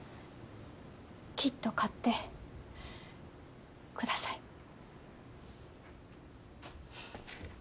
きっと勝ってください。